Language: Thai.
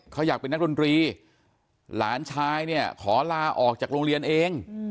เขาอยากเป็นนักดนตรีหลานชายเนี่ยขอลาออกจากโรงเรียนเอง